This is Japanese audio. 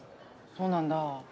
そうなんだ。